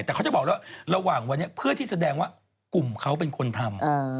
แต่เขาจะบอกแล้วระหว่างวันนี้เพื่อที่แสดงว่ากลุ่มเขาเป็นคนทำ